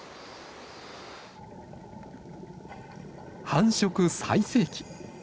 繁殖最盛期。